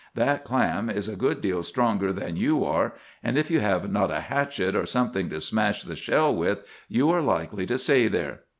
That clam is a good deal stronger than you are; and if you have not a hatchet or something to smash the shell with, you are likely to stay there.